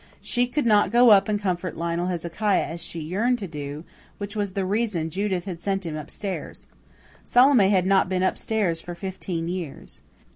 She could not go up and comfort Lionel Hezekiah as she yearned to do, which was the reason Judith had sent him up stairs. Salome had not been up stairs for fifteen years.